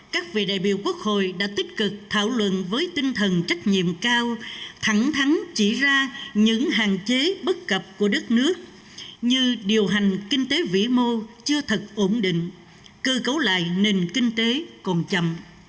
các vị đại biểu quốc hội đã tích cực thảo luận với tinh thần trách nhiệm cao thẳng thắn chỉ ra những hạn chế bất cập của đất nước như điều hành kinh tế vĩ mô chưa thật ổn định cơ cấu lại nền kinh tế còn chậm